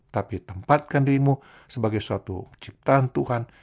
tapi tempatkan dirimu sebagai suatu ciptaan tuhan